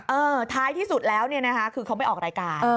ท้ายที่สุดแล้วเนี่ยนะคะคือเขาไปออกรายการ